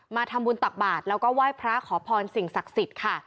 มาทำบุญตักบาทแล้วก็ไหว้พระขอพรสิ่งศักดิ์สิทธิ์ค่ะ